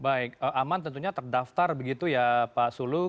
baik aman tentunya terdaftar begitu ya pak sulu